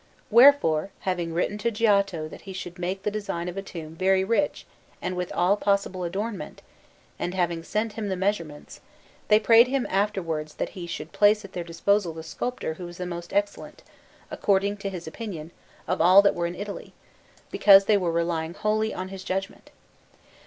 Wherefore, having written to Giotto that he should make the design of a tomb very rich and with all possible adornment, and having sent him the measurements, they prayed him afterwards that he should place at their disposal the sculptor who was the most excellent, according to his opinion, of all that were in Italy, because they were relying wholly on his judgment.